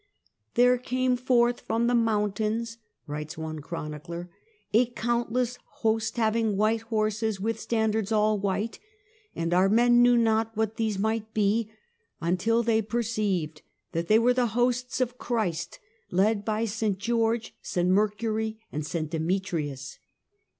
" There came forth from the mountains," writes one chronicler, "a countless host, having white horses, with standards all white. And our men knew not what these might be, until they perceived that they were the hosts of Christ, led by St George, St Mercury and St Demetrius."